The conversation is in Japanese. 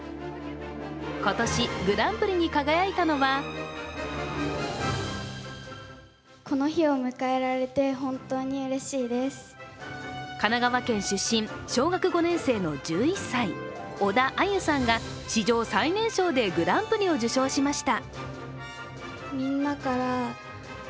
今年、グランプリに輝いたのは神奈川県出身、小学５年生の１１歳、小田愛結さんが史上最年少でグランプリを受賞しました。